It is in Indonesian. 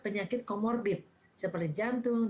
penyakit komorbit seperti jantung